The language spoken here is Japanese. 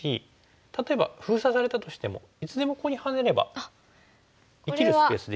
例えば封鎖されたとしてもいつでもここにハネれば生きるスペースできそうですよね。